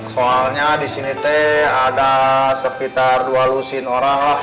soalnya di sini teh ada sekitar dua lusin orang lah